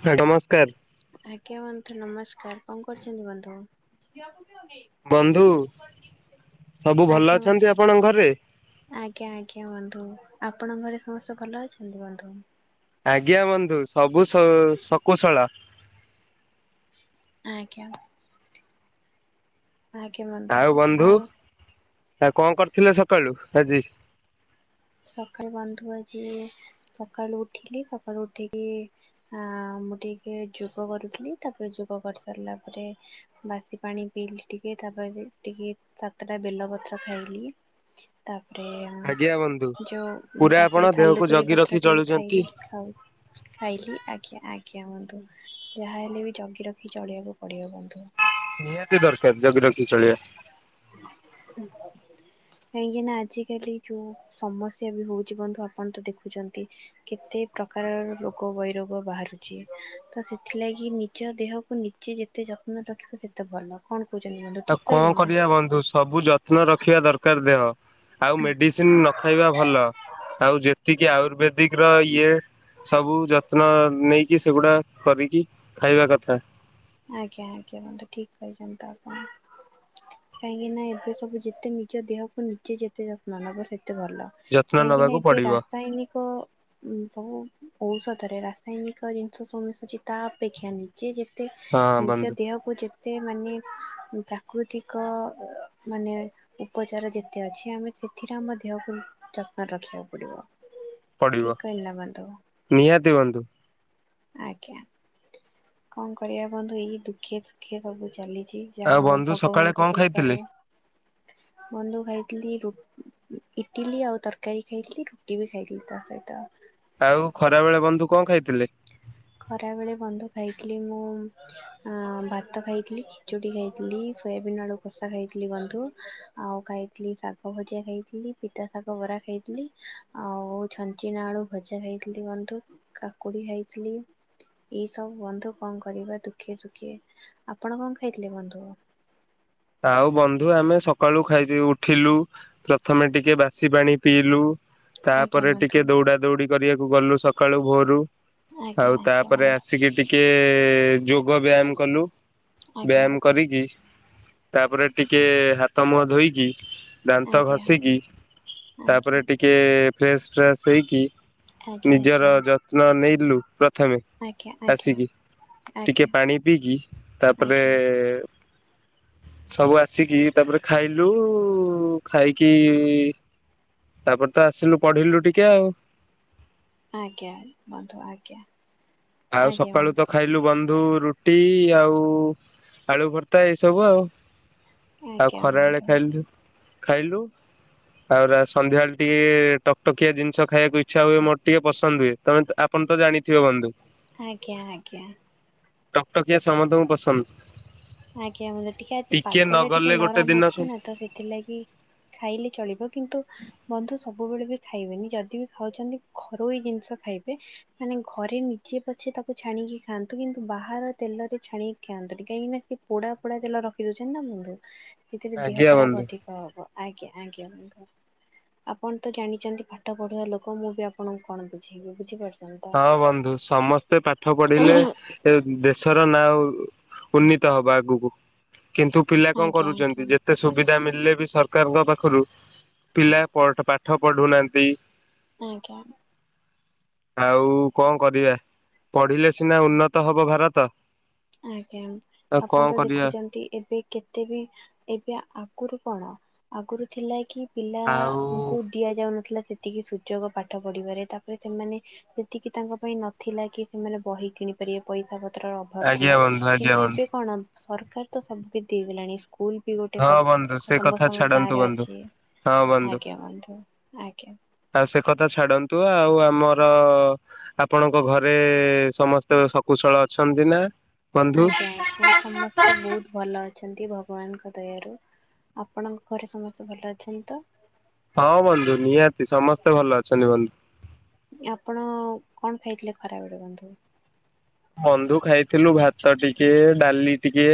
ନମସ୍କାର ଆଜ୍ଞା ବନ୍ଧୁ ନମସ୍କାର। କଣ କରିଛନ୍ତି ବନ୍ଧୁ? ବନ୍ଧୁ ସବୁ ଭଲ ଆଜ୍ଞା ଅଛନ୍ତି ବନ୍ଧୁ ଆପଣଙ୍କ ଘରେ? ଆଜ୍ଞା ଆଜ୍ଞା ବନ୍ଧୁ ଆପଣଙ୍କର ସମସ୍ତେ ଭଲ ଅଛନ୍ତି ବନ୍ଧୁ। ଆଜ୍ଞା ବନ୍ଧୁ ସବୁ ସ -ଶକୁଶଲା। ଆଜ୍ଞା। ଆଜ୍ଞା ବନ୍ଧୁ ଆଉ। ଆ କଣ କରିଥିଲେ ସକାଳୁ ଆଜି? ସକାଳୁ ବନ୍ଧୁ ଆଜି ସକାଳୁ ଉଠିଲି ସକାଳୁ ଉଠିକି ଆ ମୁଁ ଟିକେ ଯୋଗ କରୁଥିଲି ତାପରେ ଯୋଗ କରିସାରିଲା ପରେ ବାସି ପାଣି ପିଇଲି ଟିକେ ତାପରେ ଟିକେ ସାତଟା ବେଲପତ୍ର ଖାଇଥିଲି ତାପରେ ଆଜ୍ଞା ବନ୍ଧୁ [unintelligible] ଯୋଉ ପୁରା ଆପଣ ତାପରେ ଦେହକୁ ଥାଲୁକରି ଜଗି ରଖି ପତ୍ର ଟିକେ ଚଳୁଛନ୍ତି ଖାଇଲି, ଖାଇଲି ଆଜ୍ଞା ଆଜ୍ଞା ବନ୍ଧୁ, ଯାହାହଲେ ବି ଜଗି ରଖି ଚଳିବାକୁ ପଡ଼ିବ ବନ୍ଧୁ। ନିହାତି ଦରକାର ଜଗି ରଖି ଚଳିବା। କାହିଁକି ନା ଆଜିକାଲି ଯୋଉ ସମସ୍ୟା ବି ହଉଛି ବନ୍ଧୁ ଆପଣ ତ ଦେଖୁଛନ୍ତି କେତେ ପ୍ରକାର ରୋଗ ବୈରୋଗ ବାହାରୁଛି ତ ସେଥିଲାଗି ନିଜ ଦେହକୁ ନିଜେ ଯେତେ ଯତ୍ନ ରଖିବ ସେତେ ଭଲ କଣ କହୁଛନ୍ତି ବନ୍ଧୁ ଆଉ ଠିକ କଣ କହିଲି ନା? କରିବା ବନ୍ଧୁ ସବୁ ଜ ଯତ୍ନ ରଖିବା ଦରକାର ଦେହ। ଆଉ ମେଡିସିନ ନ ଖାଇବା ଭଲ ଆଉ ଯେତିକି କି ଆୟୁର୍ବେଦିକ ର ଇଏ ସବୁ ଯତ୍ନ ନେଇକି ସେଗୁଡା କରିକି ଖାଇବା କଥା। ଆଜ୍ଞା ଆଜ୍ଞା ବନ୍ଧୁ ଠିକ କହିଛନ୍ତି ତ ଆପଣ। କାହିଁକିନା ଏବେ ସବୁ ଯେତେ ନିଜ ଦେହକୁ ନିଜେ ଯେତେ ଯତ୍ନ ନବ ସେ ତେ ଭଲ ଯତ୍ନ ନବାକୁ କାହିଁକିନା ଏବେ ପଡିବ ରାସାୟନିକ ଉଁ ସବୁ ଔଷଧରେ ରାସାୟନିକ ଜିନିଷ ସବୁ ମିଶୁଛି ତା ଅପେକ୍ଷା ନିଜେ ଯେ ତେ ହଁ ନିଜ ବନ୍ଧୁ ଦେହକୁ ଯେ ଏତେ ମାନେ ପ୍ରାକୃତିକ ଅ ମାନେ ଉପଚାର ଯେତେ ଅଛି ଆମେ ସେଥିରେ ଆମ ଦେହକୁ ଯତ୍ନରେ ରଖିଆକୁ ପଡିବ। ଠିକ ପଡିବ କହିଲି ନା ବନ୍ଧୁ ନିହାତି ବନ୍ଧୁ। ଆଜ୍ଞା। କଣ କରିଆ ବନ୍ଧୁ ଏଇ ଦୁଃଖେ ସୁୁଖେ ସବୁ ଚାଲି ଚି ଯାହା ଆଉ ହଉ ବନ୍ଧୁ ସକାଳେ ଭଗବାନଙ୍କ କଣ ଖାଇଥିଲେ? କୃପାରୁ ବନ୍ଧୁ ଖାଇ ଇଟିଲି ରୁ ଉ ଇଟିଲି ଆଉ ତରକାରୀ ଖାଇଥିଲି ରୁଟି ବି ଖାଇଥିଲି ତା ସହିତ। ଆଉ ଖରାବେଳେ ବନ୍ଧୁ କଣ ଖାଇଥିଲେ? ଖରାବେଳେ ବନ୍ଧୁ ଖାଇଥିଲି ମୁଁ ଅଁ ଭାତ ଖାଇଥିଲି ଖେଚୋଡ଼ି ଖାଇଥିଲି ସୋୟାବିନ ଆଳୁ କଷା ଖାଇଥିଲି ବନ୍ଧୁ ଆଉ ଖାଇଥିଲି ଶାଗ ଭଜା ଖାଇଥିଲି ପିତା ଶାଗ ବରା ଖାଇଥିଲି ଆଉ ଛଞ୍ଚିଣା ଆଳୁ ଭଜା ଖାଇଥିଲି ବନ୍ଧୁ କାକୁଡ଼ି ଖାଇଥିଲି। ଏଇ ସବୁ ବନ୍ଧୁ କଣ କରିବା ଦୁଃଖେ ସୁଖେ ଆପଣ କଣ ଖାଇଥିଲେ ବନ୍ଧୁ? ଆଉ ବନ୍ଧୁ ଆମେ ସକାଳୁ ଖାଇ ଉଠିଲୁ ପ୍ରଥମେ ଟିକେ ବାସି ପାଣି ପିଇଲୁ। ଆଜ୍ଞା ତାପରେ ବନ୍ଧୁ ଟିକେ ଦୌଡା ଦୌଡି କରିଆକୁ କୁ ଗଲୁ ସକାଳୁ ଭୋରୁ। ଆଜ୍ଞା ଆଉ ଆଜ୍ଞା ତାପରେ ବନ୍ଧୁ ଆସିକି ଟି କିଏ ଯୋଗ ବ୍ୟାୟାମ କଲୁ। ଆଜ୍ଞା ବ୍ୟାୟାମ କରିକି ତାପରେ ଟିକେ ହାତ ମୁହଁ ଧୋଇକି ଆଜ୍ଞା ଦାନ୍ତ ଆଜ୍ଞା ଘଷିକି ଆଜ୍ଞା ତାପରେ ଆଜ୍ଞା ଟିକେ ଫ୍ରେସ ଫାସ ହେଇକି ନିଜର ଯତ୍ନ ନେଲୁ। ପ୍ରଥମେ ଆଜ୍ଞା ଆଜ୍ଞା ଆସିକି ଟିକେ ଆଜ୍ଞା ପାଣି ପିଇକି ତାପରେ ଆଜ୍ଞା ସବୁ ଆସିକି ତାପରେ ଖାଇଲୁ ଖାଇକି ତାପରେ ତ ଆସିଲୁ ପଢିଲୁ ଟିକେ ଆଉ। ଆଜ୍ଞା ବନ୍ଧୁ ଆଜ୍ଞା। ଆଉ ଆଜ୍ଞା ସକାଳୁ ତ ବନ୍ଧୁ ଖାଇଲୁ ବ ନ୍ଧୁ ରୁଟି ଆଉ ଆଳୁ ଭର୍ତ୍ତା ଏଇସବୁ ଆଉ। ଆଉ ଆଜ୍ଞା ଖରାବେଳେ ବନ୍ଧୁ। ଖାଇଲୁ ଖାଇଲୁ ଆଉ ରା ସନ୍ଧ୍ୟାବେଳେ ଟିକେ ଟକ ଟକିଆ ଜିନିଷ ଖାଇଆକୁ ଇ ଚ୍ଛା ହୁଏ ମୋର ଟିକେ ପସନ୍ଦ ହୁଏ। ତମେ ତ ଆପଣ ତ ଜାଣିଥିବେ ବନ୍ଧୁ। ଆଜ୍ଞା ଆଜ୍ଞା। ଟକ ଟକିଆ ସମସ୍ତଙ୍କୁ ପସନ୍ଦ। ଆଜ୍ଞା ମୁଁ ଯ ଟିକେ ଆଜି ନ ପାଗଟା ଟିକେ ଗଲେ ଗୋଟେ ନରମ ଦିନ ଅଛି ନା ତ ସେଥିଲାଗି ଖାଇଲେ ଚଳିବ କିନ୍ତୁ ବନ୍ଧୁ ସବୁବେଳେ ବି ଖାଇବେନି ଯଦି ବି ଖାଉଛନ୍ତି ଘରୋଇ ଜିନିଷ ଖାଇବେ ମାନେ ଘରେ ନିଜେ ପଛେ ତାକୁ ଛାଣିକି ଖାଆନ୍ତୁ କିନ୍ତୁ ବାହାର ତେଲରେ ଛାଣିକି ଖାଆନ୍ତୁନି କାହିଁକିନା ସେ ପୋଡା ପୋଡା ତେଲ ରଖି ଦଉଛନ୍ତି ନା ବନ୍ଧୁ। ସେଥିରେ ଦେହ ଆଜ୍ଞା ବନ୍ଧୁ। ଖରାପ ଅଧିକ ହବ। ଆଜ୍ଞା। ଆଜ୍ଞା ଆପଣ ତ ଜାଣିଛନ୍ତି ପାଠ ପଢୁିବା ଲୋକ ମୁଁ ବି ଆପଣଙ୍କୁ କଣ ବୁଝେଇବି ବୁଝିପାରୁ ହଁ ବନ୍ଧୁ ସମସ୍ତେ ପାଠ ପଢିଲେ ଏନ୍ ଦେଶ ନା ଉଁ ଉନ୍ନୀତ ହେବ ଆଗକୁ। କିନ୍ତୁ ପିଲା କଣ ଆଜ୍ଞା ଆଜ୍ଞା କରୁଛନ୍ତି ଯେତେ ସୁବିଧା ମିଳିଲେ ବି ସରକାରଙ୍କ ପାଖରୁ ପିଲା ପ ପାଠ ପଢୁନାହାନ୍ତି। ଆଜ୍ଞା। ଆଉ କଣ କରିବା ପଢିଲେ ସିନା ଉନ୍ନତ ହବ ଭାରତ। ଆଜ୍ଞା ଆଉ ଆପଣ କଣ ତ କରିବା ଦେଖୁଛନ୍ତି ଏବେ କେତେ ବି ଏବେ ଆଗରୁ ପଳା ଆଗରୁ ଥିଲା କି ଆଉ ପିଲାଙ୍କୁ ଦିଆ ଯାଉନଥିଲା ସେ ଏତିକି ସୁଯୋଗ ପାଠ ପଢିପାରେ ତାପରେ ସେମାନେ ସେତିକି ତାଙ୍କ ପାଇଁ ନଥିଲା କି ସେମାନେ ବହି କିଣି ପାରିବେ ପଇସା ପତ୍ର ଆଜ୍ଞା ଥିଲା ବନ୍ଧୁ ଆଜ୍ଞା କିନ୍ତୁ ବନ୍ଧୁ ଏବେ କଣ ସରକାର ତ ସବୁକ ଦେଇଦଲାଣି ସ୍କୁଲ ବି ଗୋଟେ ହଁ ବନ୍ଧୁ କରି ସେ କଥା ସମସ୍ତଙ୍କ ଗାଁ ଛାଡନ୍ତୁ ରେ ବନ୍ଧୁ ଅଛି ହଁ ବନ୍ଧୁ ଆଜ୍ଞା ବନ୍ଧୁ। ଆଜ୍ଞା ଆଉ ସେ କଥା ଛାଡନ୍ତୁ। ତୁ ଆଉ ଆମର ଆପଣଙ୍କ ଘରେ ସମସ୍ତେ ଶକୁଶଳ ଅଛନ୍ତି ନା? ବନ୍ଧୁ? ଆଜ୍ଞା ଆଜ୍ଞା ସମସ୍ତେ ବହୁତ ଭଲ ଅଛ ଅ ଭଗବାନଙ୍କ ଦୟାରୁ ଆପଣଙ୍କ ଘରେ ସମସ୍ତେ ଭଲ ଅଛନ୍ତି ତ। ହଁ ବନ୍ଧୁ ନିହାତି ସମସ୍ତେ ଭଲ ଅଛନ୍ତି ବନ୍ଧୁ। ଆପଣ କଣ ଖାଇଥିଲେ ଖରାବେଳେ ବନ୍ଧୁ? ବନ୍ଧୁ ଖାଇଥିଲୁ ଭାତ ଟିକେ, ଡାଲି ଟିକେ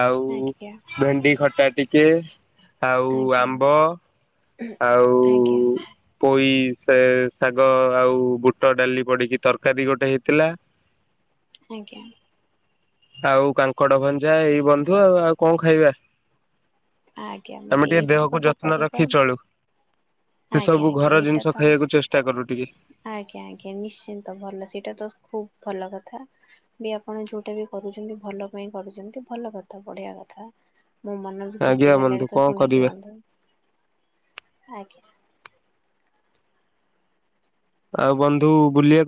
ଆଉ ଆଜ୍ଞା ଭେଣ୍ଡି ଖଟା ଟିକେ ଆଉ ଆଜ୍ଞା ଆମ୍ବ ଆଉ ଆଜ୍ଞା ପଇସ ସେ ଶାଗ ଆଉ ବୁଟ ଡାଲି ପଡିକି ତରକାରୀ ଗୋଟେ ହେଇଥିଲା। ଆଜ୍ଞା। ଆଉ କାଙ୍କଡ ଭଞ୍ଜା ଏଇ ବନ୍ଧୁ ଆଉ ଆଉ କଣ ଖାଇବା। ଆଜ୍ଞା ଆମେ ମତେ ଟିକେ ଏଇ ଦେହକୁ ସବୁ ଯତ୍ନ କରିବା ରଖି ଚଳୁ। ସେ ଆଜ୍ଞା ସବୁ ଆଜ୍ଞା ଘର ଏଇଟା ଜିନିଷ ତ ଖାଇବାକୁ ଚେଷ୍ଟା କରୁ ଟିକେ ଆଜ୍ଞା ଆଜ୍ଞା ନିଶ୍ଚିନ୍ତ ଭଲ ସେଇଟା ତ ଖୁବ ଭଲ କଥା ବି ଆପଣ ଯୋଉଟା ବି କରୁଛନ୍ତି ଭଲ ପାଇଁ କରୁଛନ୍ତି ଭଲ କଥା ବଢିଆ କଥା ମୋ ମନ ଖୁସି ଆଜ୍ଞା କ ବନ୍ଧୁ ଲାଗ ତ କଣ ଶୁଣିକି କରିବା। ବନ୍ଧୁ ଆଜ୍ଞା। ଆଉ ବନ୍ଧୁ ବୁଲିବା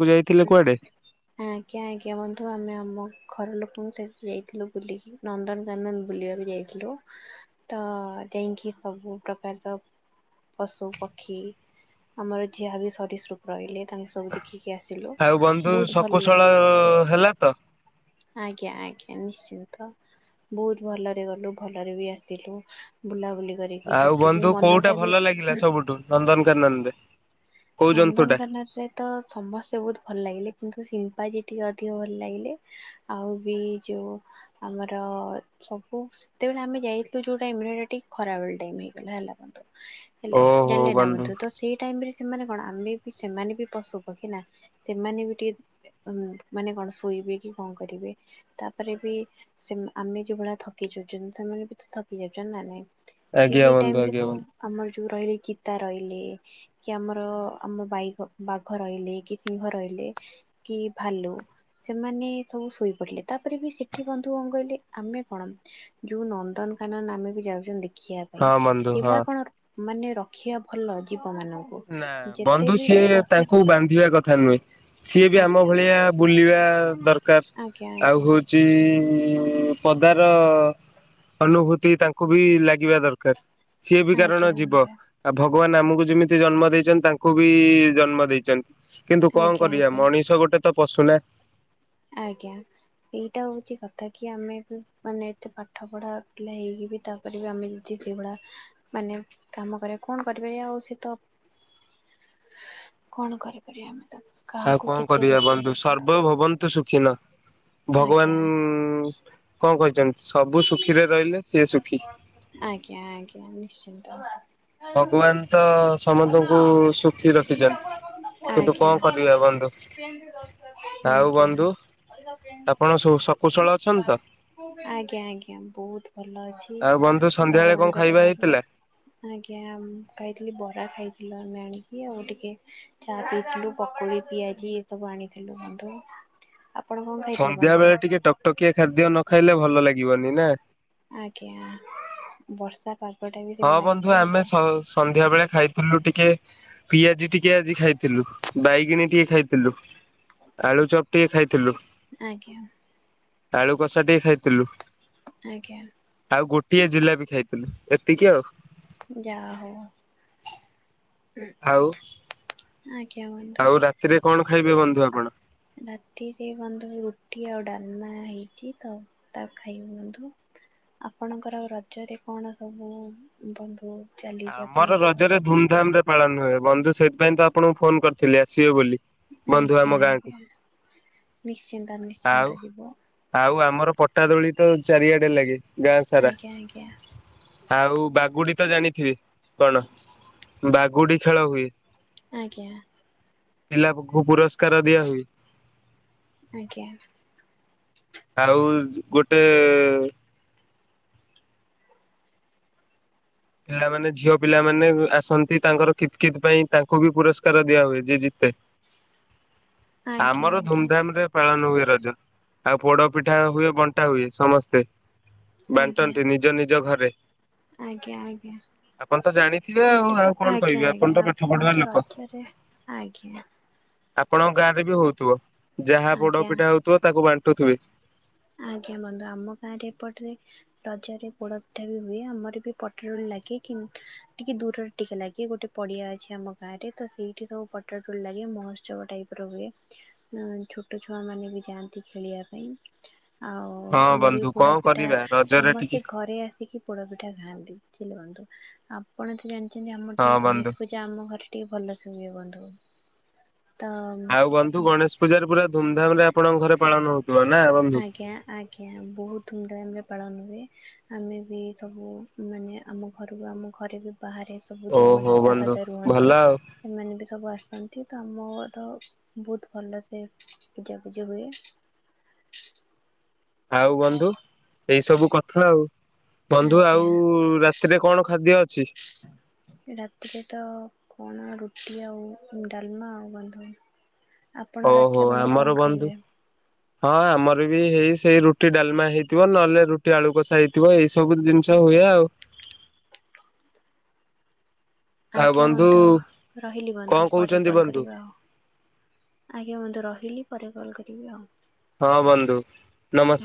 ଆଜ୍ଞା ଆଜ୍ଞା ବନ୍ଧୁ ଆମେ ଆମ ଘର ଲୋକଙ୍କୁ ସେ ଯାଇଥିଲୁ ବୁଲେଇକି ନନ୍ଦନକାନନ ବୁଲିବାକୁ ଯାଇଥିଲୁ ତ ଯାଇକି ସବୁ ପ୍ରକାରର ପଶୁପକ୍ଷୀ ଆମର ଯାହା ବି ସରୀସୃପ ରହିଲେ ତାଙ୍କୁ ସବୁ ଦେଖିକି ଆସି ଆଉ ବନ୍ଧୁ ଶକୁଶଳ ହେଲା ତ ଆଜ୍ଞା ଆଜ୍ଞା ନିଶ୍ଚିନ୍ତ ବହୁତ ଭଲରେ ଗଲୁ ଭଲରେ ବି ଆସିଲୁ ବୁଲାବୁଲି କରିକି ଆଉ ତାପରେ ବନ୍ଧୁ ବି କୋଉଟା ମନଟା ବି ଭଲ ଲାଗିଲା ସବୁଠୁ ନନ୍ଦନକାନନରେ? କୋଉ ଜନ୍ତୁ ଟା? ନନ୍ଦନକାନରେ ତ ସମସ୍ତେ ବହୁତ ଭଲ ଲାଗିଲେ କିନ୍ତୁ ସେ ଆଜି ଟିକେ ଅଧିକ ଭଲ ଲାଗିଲେ ଆଉ ବି ଯୋଉ ଆମର ସବୁ ସେତେବେଳେ ଆମେ ଯାଇଥିଲୁ ଯେଉଁ ଟାଇମରେ ଟିକେ ଖରା ବେଳ ଟାଇମ୍ ହେଇଗଲା ହେଲା ବ ହେଲେ ଜାଣିଲେ ନା ବନ୍ଧୁ ତ ସେଇ ଟାଇମ ରେ ସେମାନେ କଣ ଆମେ ବି ସେମାନେ ବି ପଶୁ ପକ୍ଷୀ ନା ସେମାନେ ବି ଟିକେ ମାନେ କଣ ଶୋଇବେ କି କଣ କରିବେ ତାପରେ ବି ସେ ଆମେ ଯୋଉଭଳିଆ ଥକି ଯାଉଛନ୍ତି ସେମାନେ ବି ତ ଥକି ଯାଉଛନ୍ତି ନା ନାଇଁ। ସେ ଆଜ୍ଞା ସେଇ ବନ୍ଧୁ ଟାଇମରେ ଆଜ୍ଞା ସବୁ ବନ୍ଧୁ ଆମର ଯୋଉ ରହିଲେ ଗୀତା ରହିଲେ। କି ଆମର ଆମ ବାଇ ବାଘ ରହିଲେ କି ସିଂହ ରହିଲେ କି ଭାଲୁ ସେମାନେ ସବୁ ଶୋଇପଡ଼ିଲେ ତାପରେ ବି ସେଠି ବନ୍ଧୁ କଣ କହିଲେ ଆମେ କଣ ଯୋଉ ନନ୍ଦନକାନନ ଆମେ ବି ଯାଉଛନ୍ତି ଦେ ଦେଖିବା ହଁ ପାଇଁ ବନ୍ଧୁ ହଁ। ସେଇଭଳିଆ କଣ ମାନେ ରଖିବା ଭଲ ଜୀବ ମାନଙ୍କୁ। ନା ଯେତେ ବନ୍ଧୁ ବି ସିଏ ପଶୁ ତାଙ୍କୁ ବାନ୍ଧିବା କଥା ନୁହେଁ। ସିଏ ବି ଆମ ଆଜ୍ଞା ଭଳିଆ ବୁଲିବା ଆଜ୍ଞା ଦରକାର ଆଉ ଆଜ୍ଞା ହଉଛି ପଦାର ଅନୁଭୂତି ତାଙ୍କୁ ବି ଲାଗି ବା ଦରକାର ସିଏ ବି ଆଜ୍ଞା କାରଣ ଜୀବ ବନ୍ଧୁ ଆଉ ଭ ଗବାନ ଆମକୁ ଯେମିତି ଜନ୍ମ ଦେଇଛନ୍ତି ତାଙ୍କୁ ବି ଜନ୍ମ ଦେଇଛନ୍ତି। କିନ୍ତୁ କଣ ଆଜ୍ଞା କରିବା ଆଜ୍ଞା ମଣିଷ ଗୋଟେ ତ ପଶୁ ନା। ଆଜ୍ଞା ଏଇଟା ହଉଛି କଥା କି ଆମେ ବି ମାନେ ଏତେ ପାଠ ପଢା ପିଲା ହେଇକି ବି ତାପରେ ବି ଆମେ ଯଦି ସେଭଳି ମାନେ କାମ କରିବା କଣ କରିପାରିବା ଆଉ ସେ ତ କଣ କରିପାରିବା ଆମେ ତାକୁ? ଆଉ କଣ କରିବା ବନ୍ଧୁ ସର୍ବଭବନ୍ତୁ ସୁଖୀନ। ଆଜ୍ଞା ଭଗବାନ କଣ କହିଚନ୍ତି? ସବୁ ସୁଖୀରେ ରହିଲେ ସିଏ ସୁଖୀ। ଆଜ୍ଞା ଆଜ୍ଞା ନିଶ୍ଚିତ। ତମ ଭଗବାନ ତ ସମସ୍ତଙ୍କୁ ଆଜ୍ଞା ସୁଖୀ ରଖିଛନ୍ତି କିନ୍ତୁ କଣ ଆଜ୍ଞା କରିବା ବନ୍ଧୁ। ଆଉ ଆଜ୍ଞା ବନ୍ଧୁ ଆପଣ ସକୁଶଳ ଆଜ୍ଞା ଅଛନ୍ତି ତ? ବୋହୁତ। ଭଲ ଅଛି ଆଉ ବନ୍ଧୁ ସନ୍ଧ୍ୟାବେଳେ କଣ ଭଗବାନଙ୍କ ଖାଇବା ଦୟାରୁ ହେଇଥିଲା? ଆଜ୍ଞା ଆମ୍ ଖାଇଥିଲି ବରା ଖାଇଥିଲୁ ଆମେ ଆଣିକି ଆଉ ଟିକେ ଚା ପିଇଥିଲୁ ପକୁଡି, ପିଆଜି ଏ ସବୁ ଆଣିଥିଲୁ ବନ୍ଧୁ ଆ ସନ୍ଧ୍ୟା ବେଳେ ଟିକେ ଟକ୍ ଟକିଆ ଖାଦ୍ୟ ନ ଖାଇଲେ ଭଲ ଲାଗିବ ନି ନା। ଆଜ୍ଞା ବର୍ଷା ପା ହଁ ବନ୍ଧୁ ଆମେ ସ-ସନ୍ଧ୍ୟା ବେଳେ ଖାଇଥିଲୁ ଟି କେ ପିଆଜି ଟିକେ ଆଜି ଖାଇଥିଲୁ ବାଇଗେଣୀ ଟିକେ ଖାଇଥିଲୁ ଆଳୁଚପ୍ ଟିକେ ଖାଇଥିଲୁ। ଆଜ୍ଞା। ଆଳୁକସା ଟିକେ ଖାଇଥିଲୁ। ଆଜ୍ଞା। ଆଉ ଗୋଟିଏ ଜିଲାପି ଖାଇଥିଲି ଏ ତିକି ଆଉ। ଯାହା ହୋଉ। ଆଉ ଆଜ୍ଞା ବନ୍ଧୁ ଆଉ ରାତିରେ କଣ ଖାଇବେ ବନ୍ଧୁ ଆପଣ? ରାତିରେ ବନ୍ଧୁ ରୁଟି ଆ ଡ଼ାଲମା ହେଇଚି ତ ତା ଖାଇବି ବନ୍ଧୁ ଆପଣଙ୍କର ରଜରେ କଣ ସବୁ ବନ୍ଧୁ ଚାଲିଛି ଆମର ଆପଣଙ୍କର? ରଜରେ ଧୁମ୍ ଧାମରେ ପାଳନ ହୁଏ ବନ୍ଧୁ ସେଥିପାଇଁ ତ ଆପଣଙ୍କୁ ଫୋନ କରିଥିଲି ଆସିବେ ବୋଲି। ବନ୍ଧୁ ଆମ ଆଜ୍ଞା ଗାଁକୁ ଆଜ୍ଞା ନିଶ୍ଚିତ ଆଉ ନିଶ୍ଚିନ୍ତ ଯିବୁ। ଆଉ ଆମର ପଟା ଦୋଳି ତ ଚାରିଆଡ଼େ ଲାଗେ ଗାଁ ସାରା ଆଜ୍ଞା ଆଜ୍ଞା ଆଉ ବାଗୁଡ଼ି ତ ଜାଣି ଚି କଣ ବାଗୁଡ଼ି ଖେଳ ହୁଏ। ଆଜ୍ଞା। ପିଲା କୁ ପୁ ପୁରସ୍କାର ଦିଅନ୍ତି। ଆଜ୍ଞା‌। ଆଉ ଗୋଟେ ପିଲାମାନେ ଝିଅ ପିଲାମାନେ ବେ ଆସନ୍ତି ତାଙ୍କର କିତ୍ କିତ୍ ପାଇଁ ତାଙ୍କୁ ବି ପୁରସ୍କାର ଦିଆ ହୁଏ ଯିଏ ଜିତେ। ଆଜ୍ଞା ଆମର ଧୁମ୍ ଆଜ୍ଞା ଧାମ୍ ରେ ପାଳନ ହୁଏ। ରଜ ଆଉ ପୋଡ଼ ପିଠା ହୁଏ ବଣ୍ଟା ହୁଏ ସମସ୍ତେ ଆଜ୍ଞା ବାଣ୍ଟନ୍ତି ନିଜ ନିଜ ଘରେ। ଆଜ୍ଞା ଆଜ୍ଞା ଆପଣ ତ ଜାଣିଥିବେ ଆଉ ସେଇଟା ଆଉ ତ କଣ ଆଜ୍ଞା କହିବି ଆପଣ ଆଜ୍ଞା ତ ପାଠ ଆମର ପଢୁଆ ତ ଲୋକ। ରଜରେ ଆଜ୍ଞା। ଆପଣଙ୍କ ଗାଁ ରେ ବି ହଉଥିବ। ଯାହା ପୋଡ଼ ଆଜ୍ଞା ପିଠା ହଉଥିବ ତାକୁ ବାଣ୍ଟ୍ [unintelligible] ଆଜ୍ଞା ବନ୍ଧୁ ଆମ ଗାଁରେ ଏପଟ ରେ ରଜରେ ପୋଡ଼ପିଠା ବି ହୁଏ ଆମର ବି ପଟାଦୋଲି ଲାଗେ କି ଟିକେ ଦୂରରେ ଟିକେ ଲାଗେ ଗୋଟେ ପଡ଼ିଆ ଅଛି ଆମ ଗାଁରେ ତ ସେଇଠି ସବୁ ପଟାଦୋଲି ଲାଗେ ମହୋତ୍ସବ ଟାଇପ୍ ର ହୁଏ ଛୋଟ ଛୁଆ ମାନେ ବି ଯାଆନ୍ତି ଖେଳିବା ପାଇଁ। ଆଉ ହଁ ଆମର ବନ୍ଧୁ ବି କଣ ପୋଡ଼ାପିଠା କରିବା ରଜରେ ଟିକେ ସମସ୍ତେ ଘରେ ଆସିକି ପୋଡ଼ପିଠା ଖାଆନ୍ତି [unintelligible] ଆପଣ ତ ଜାଣି ଆମର ହଁ ଟିକେ ବନ୍ଧୁ ଗଣେଶ ପୂଜା ଆମ ଘରେ ଟିକେ ଭଲ ସେ ଧନ୍ୟବାଦ୍ ବନ୍ଧୁ। ତ ଆଉ ବନ୍ଧୁ ଗଣେଶ ପୂଜାରେ ପୁରା ଧୁମଧାମ ରେ ଆପଣଙ୍କ ଘରେ ପାଳନ ହଉଥିବ ନା ବନ୍ଧୁ। ଆଜ୍ଞା ଆଜ୍ଞା ବହୁତ ଧୁମଧାମ ରେ ପାଳନୁ- ଆମେ ବି ସବୁ ମାନେ ଆମ ଘରକୁ ଆମ ଘରେ ବି- ବାହାରେ ସବୁ ଯୋଉ ମୋ ଓହୋ ଦାଦା ବନ୍ଧୁ ଫାଦା ଭଲ ରୁହନ୍ତି ଆଉ ସେମାନେ ବି ସବୁ ଆସ- ଆସନ୍ତି ତ ଆମ ଘର ବହୁତ ଭଲ ସେ ପୂଜାପୂଜି ହୁଏ। ଆଉ ବନ୍ଧୁ ଏଇ ସବୁ କଥା ଆଉ। ବନ୍ଧୁ ଆଜ୍ଞା। ଆଉ ରାତିରେ କଣ ଖାଦ୍ୟ ଅଛି। ଟି ଆଉ ଡାଲମା ଆଉ ବନ୍ଧୁ ଆପଣ ଓହୋ ରାତିରେ ବନ୍ଧୁ କଣ ଆମର ବନ୍ଧୁ ଖାଇବେ? ହଁ। ଆମର ବି ହେଇ ସେଇ ରୁଟି ଡାଲମା ହେଇଥିବ ନହେଲେ ରୁଟି ଆଳୁ କଷା ହେଇଥିବ ଏଇ ସବୁ ଜିନିଷ ହୁଏ ଆଉ ଆଜ୍ଞା ବନ୍ଧୁ ରହିଲି ବନ୍ଧୁ କଣ ପରେ କହୁଛନ୍ତି କଲ୍ ବନ୍ଧୁ କରିବା ଆଉ ଆଜ୍ଞା ବନ୍ଧୁ ରହିଲି। ପରେ କଲ କରିବି ଆଉ। ହଁ ବନ୍ଧୁ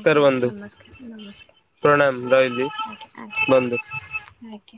ଆଜ୍ଞା ବନ୍ଧୁ ନମସ୍କାର ନମସ୍କାର ପ୍ରଣାମ ରହି ଆଜ୍ଞା ଆଜ୍ଞା ବନ୍ଧୁ। ଆଜ୍ଞା।